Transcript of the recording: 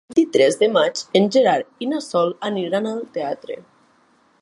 El vint-i-tres de maig en Gerard i na Sol aniran al teatre.